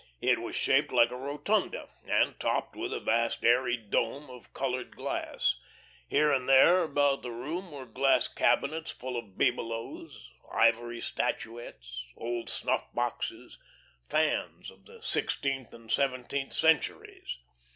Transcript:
It was shaped like a rotunda, and topped with a vast airy dome of coloured glass. Here and there about the room were glass cabinets full of bibelots, ivory statuettes, old snuff boxes, fans of the sixteenth and seventeenth centuries.